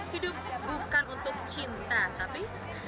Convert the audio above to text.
hidup bukan untuk cinta tapi